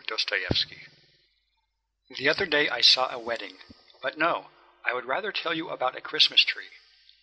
DOSTOYEVSKY The other day I saw a wedding... But no! I would rather tell you about a Christmas tree.